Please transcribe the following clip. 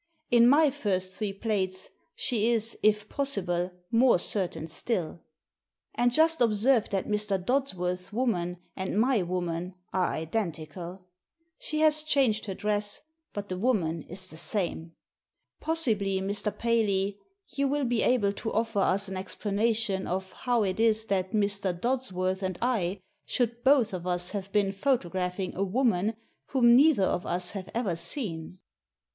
In my first three plates she is, if possible, more certain still. And just ob serve that Mr. Dodsworth's woman and my woman are identical; she has changed her dress, but the woman is the same. Possibly, Mr. Paley, you will Digitized by VjOOQIC THE PHOTOGRAPHS 33 be able to offer us an explanation of how it is that Mr. Dodsworth and I should both of us have been photographing a woman whom neither of us have ever seen.'